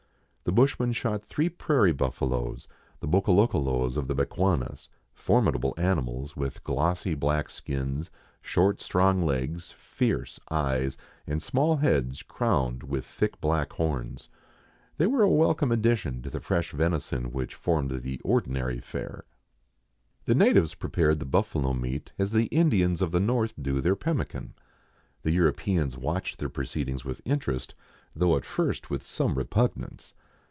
The bushman shot three prairie bufialoes, the Bokolokolos of the Bechuanas, formidable animals, with glossy black skins, short strong legs, fierce eyes, and small heads crowned with thick black horns. They were a welcome addition to the fresh venison which formed the ordinary fare. THREE ENGLISHMEN AND THREE RUSSIANS. I39 The natives prepared the buffalo meat as the Indians of the north do their pemmican. The Europeans watched their proceedings with interest, though at first with some repugnance.